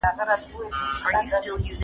د ګاونډیو هیوادونو سره سوداګري اسانه سوې وه.